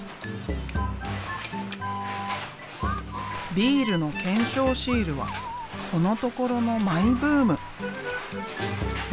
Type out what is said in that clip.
ビールの懸賞シールはこのところのマイブーム。